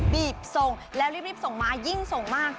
บีบส่งแล้วรีบส่งมายิ่งส่งมาก